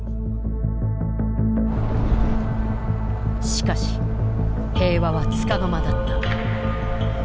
しかし平和はつかの間だった。